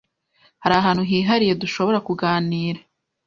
Hari ahantu hihariye dushobora kuganira?